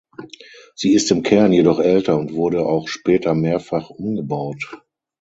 Sie ist im Kern jedoch älter und wurde auch später mehrfach umgebaut.